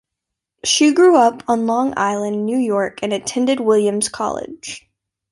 She grew up on Long Island, New York, and attended Williams College.